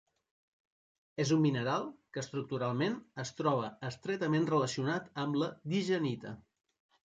És un mineral que estructuralment es troba estretament relacionat amb la digenita.